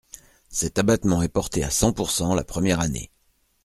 Cet abattement est porté à cent pourcent la première année.